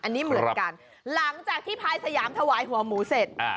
อันนี้เหมือนกันหลังจากที่พายสยามถวายหัวหมูเสร็จ